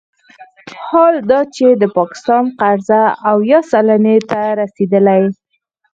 حال دا چې د پاکستان قرضه اویا سلنې ته رسیدلې